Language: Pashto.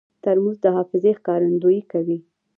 ترموز د حافظې ښکارندویي کوي.